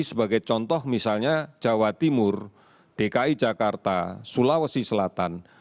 sebagai contoh misalnya jawa timur dki jakarta sulawesi selatan